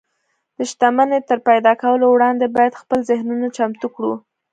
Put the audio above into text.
د شتمنۍ تر پيدا کولو وړاندې بايد خپل ذهنونه چمتو کړو.